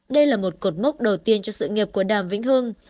đây là một cột mốc đầu tiên cho sự nghiệp của đàm vĩnh hưng